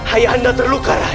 ayah anda terluka ray